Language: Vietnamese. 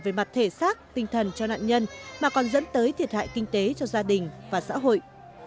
về mặt thể xác tinh thần cho nạn nhân mà còn dẫn tới thiệt hại kinh tế cho gia đình và xã hội